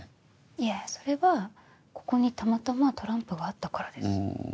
いやそれはここにたまたまトランプがあったからです。